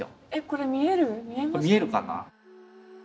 これ見えるかな？